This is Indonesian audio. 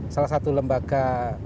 salah satu lembaga